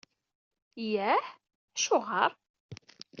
Yah? Acuɣer?